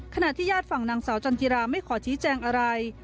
ขณะที่ญาติฝั่งนางสาวจันจิราไม่ขอชี้แจงอะไร